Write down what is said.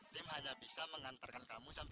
tim hanya bisa mengantarkan kamu sampai